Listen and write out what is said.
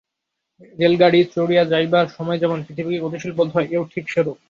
রেলগাড়ী চড়িয়া যাইবার সময় যেমন পৃথিবীকে গতিশীল বোধ হয়, এও ঠিক সেরূপ।